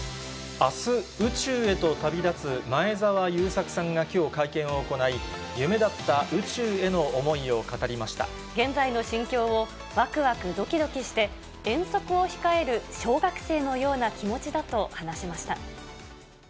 あす、宇宙へと旅立つ前澤友作さんがきょう、会見を行い、夢だった宇宙現在の心境をわくわくどきどきして、遠足を控える小学生のような気持ちだと話しました。